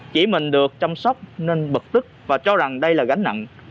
chỉ mình được chăm sóc nên bực tức và cho rằng đây là gánh nặng